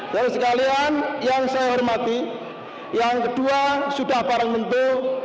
dan sekalian yang saya hormati yang kedua sudah parang tentu